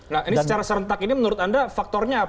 nah ini secara serentak ini menurut anda faktornya apa